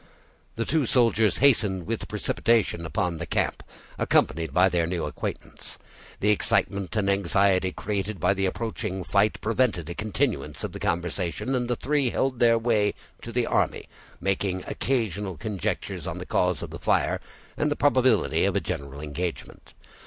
The two soldiers hastened with precipitation towards the camp, accompanied by their new acquaintance. The excitement and anxiety created by the approaching fight prevented a continuance of the conversation, and the three held their way to the army, making occasional conjectures on the cause of the fire, and the probability of a general engagement.